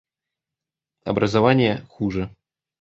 Образование — хуже.